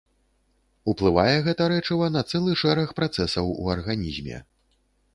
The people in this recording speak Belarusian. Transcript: Уплывае гэта рэчыва на цэлы шэраг працэсаў у арганізме.